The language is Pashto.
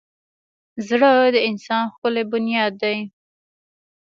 زړه د انسان ښکلی بنیاد دی.